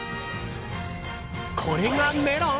これがメロン？